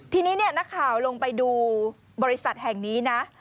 ทีนี้เนี่ยนักข่าวลงไปดูบริษัทแห่งนี้นะ